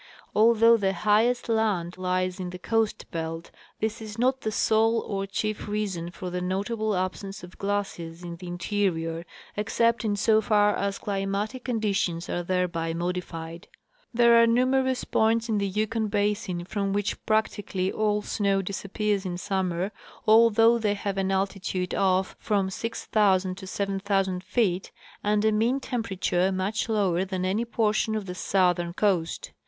Although the high est land lies in the coast belt, this is not the sole or chief reason for the notable absence of glaciers in the interior, excejjt in so far as climatic conditions are thereby modified. There are numerous points in the Yukon basin from which practically all Dependence of Glaciers on Precipitation. 151 snow disappears in summer, although they have an altitude of from 6,000 to 7,000 feet and a mean temperature much lower than any portion of the southern coast.